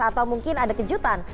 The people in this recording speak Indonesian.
atau mungkin ada kejutan